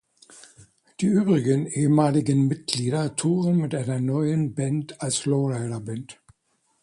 Die übrigen ehemaligen Mitglieder touren mit einer neuen Band als „Lowrider Band“.